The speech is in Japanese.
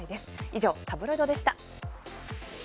以上、タブロイドでした。